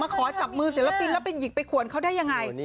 ขอจับมือศิลปินแล้วไปหยิกไปขวนเขาได้ยังไง